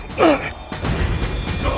dia adalah bismillah